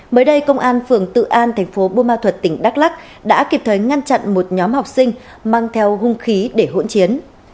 mới đây công an phường tự an thành phố bô ma thuật tỉnh đắk lắc đã kịp thời ngăn chặn một nhóm học sinh mang theo hung khí để hỗn chiến